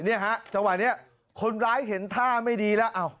เนี่ยฮะจังหวะนี้คนร้ายเห็นท่าไม่ดีแล้ว